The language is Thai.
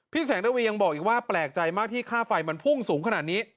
แสงนวียังบอกอีกว่าแปลกใจมากที่ค่าไฟมันพุ่งสูงขนาดนี้